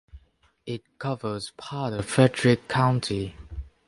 It covers part of Frederick County.